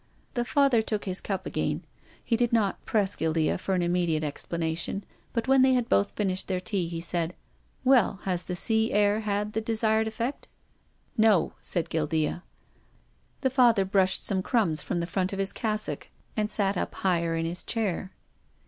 The Father took his cup again. lie did not press Guildea for an immediate explanation, but when they had both finished their tea he said :" Well, has the sea air had the desired effect ?"" No," said Guildea. The Father brushed some crumbs from the front of his cassock and sat up higher in his chair.